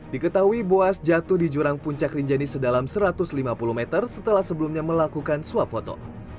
diketahui boas jatuh di jurang puncak rinjani sedalam satu ratus lima puluh meter setelah sebelumnya melakukan swap foto